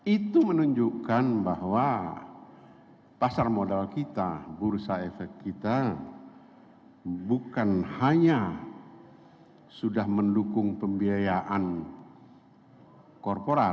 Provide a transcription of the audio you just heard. itu menunjukkan bahwa pasar modal kita bursa efek kita bukan hanya sudah mendukung pembiayaan korporat